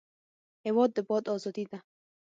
هېواد د باد ازادي ده.